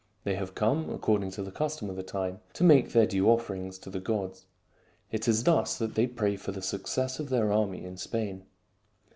They have come, according to the custom of the time, to make their due offerings to the gods. It is thus that they pray for the success of their army in Spain.